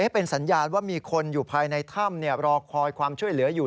เป็นสัญญาณว่ามีคนอยู่ภายในถ้ำรอคอยความช่วยเหลืออยู่